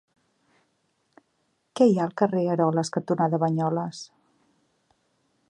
Què hi ha al carrer Aroles cantonada Banyoles?